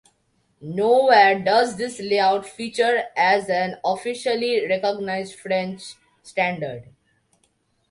Nowhere does this layout feature as an officially recognized French standard.